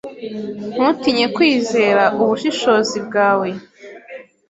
Ntutinye kwizera ubushishozi bwawe.